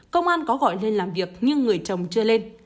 công an có gọi lên làm việc nhưng người chồng chưa lên